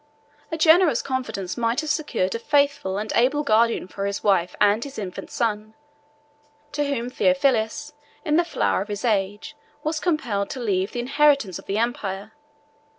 A generous confidence might have secured a faithful and able guardian for his wife and his infant son, to whom Theophilus, in the flower of his age, was compelled to leave the inheritance of the empire.